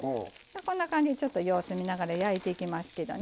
こんな感じで様子見ながら焼いていきますけどね。